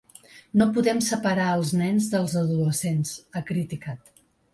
No podem separar els nens dels adolescents, ha criticat.